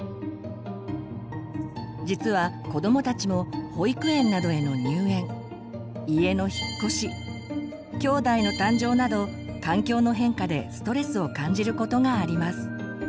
実は子どもたちも保育園などへの入園家の引っ越しきょうだいの誕生など環境の変化でストレスを感じることがあります。